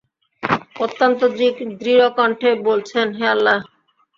অত্যন্ত দৃঢ় কণ্ঠে বলছেন, হে আল্লাহ!